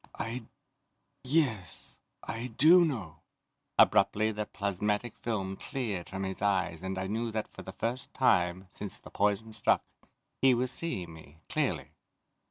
"I ... Yes, I do know!" Abruptly the plasmatic film cleared from his eyes and I knew that for the first time, since the poison struck, he was seeing me, clearly.